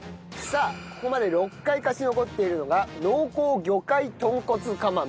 さあここまで６回勝ち残っているのが濃厚魚介豚骨釜飯。